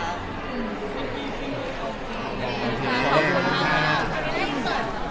อืม